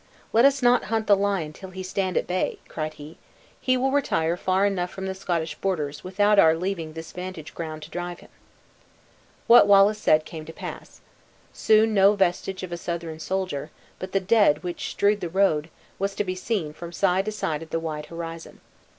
"Let us not hunt the lion till he stand at bay!" cried he. "He will retire far enough from the Scottish borders, without our leaving this vantage ground to drive him." What Wallace said came to pass. Soon no vestige of a Southron soldier, but the dead which strewed the road, was to be seen from side to side of the wide horizon.